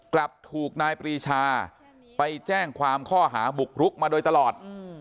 กลับถูกนายปรีชาไปแจ้งความข้อหาบุกรุกมาโดยตลอด